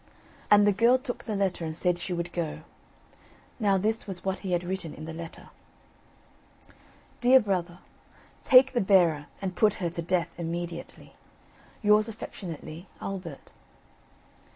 And the girl took the letter and said she would go. Now this was what he had written in the letter: "Dear Brother, Take the bearer and put her to death immediately. "Yours affectionately, "Albert."